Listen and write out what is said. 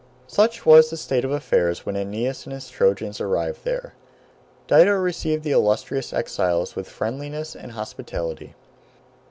Such was the state of affairs when Aeneas with his Trojans arrived there. Dido received the illustrious exiles with friendliness and hospitality.